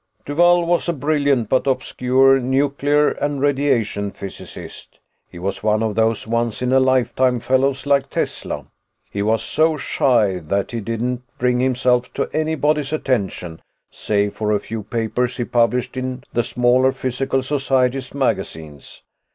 "Duvall was a brilliant but obscure nuclear and radiation physicist. He was one of those once in a lifetime fellows like Tesla. He was so shy that he didn't bring himself to anybody's attention, save for a few papers he published in the smaller physical societies' magazines.